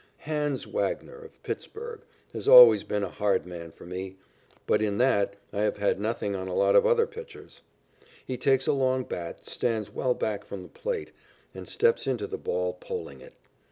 "Hans" Wagner, of Pittsburg, has always been a hard man for me, but in that I have had nothing on a lot of other pitchers. He takes a long bat, stands well back from the plate, and steps into the ball, poling it.